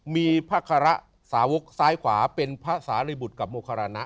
มีพระคาระสาวกซ้ายขวาเป็นพระสาริบุตรกับโมคารณะ